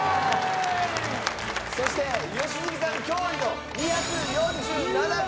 そして良純さん驚異の２４７ポイント！